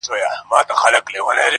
څو به زمان ګرځوي موجونه له بېړیو!!